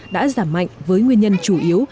đã giảm mạnh với nguyên nhân chủ yếu